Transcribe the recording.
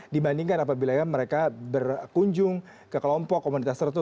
dibandingkan apabila mereka berkunjung ke kelompok komunitas tertentu